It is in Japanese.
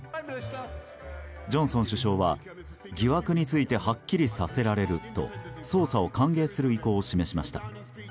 ジョンソン首相は、疑惑についてはっきりさせられると捜査を歓迎する意向を示しました。